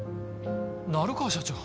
成川社長